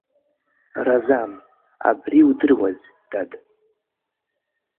Разан, абри удыруаз, дад!